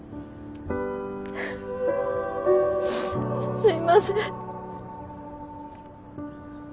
すいません。